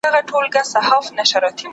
عادت دوهم فطرت دی.